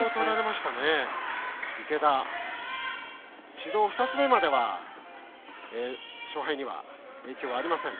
指導２つ目までは勝敗に影響がありません。